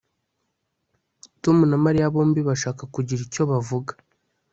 Tom na Mariya bombi bashaka kugira icyo bavuga